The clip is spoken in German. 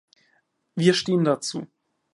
Wir stehen dazu!